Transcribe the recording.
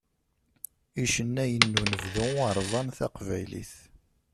Icennayen n unebdu rẓan taqbaylit.